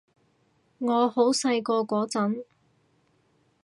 我好細個嗰陣